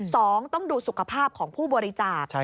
สองต้องดูสุขภาพของผู้บริจาค